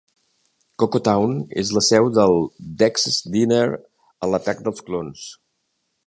Coco Town és la seu del Dex's Diner a "L'atac dels clons".